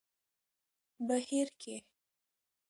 بهير کې